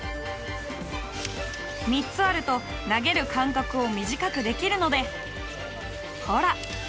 ３つあると投げる間隔を短くできるのでほら！